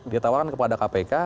dia tawarkan kepada kpk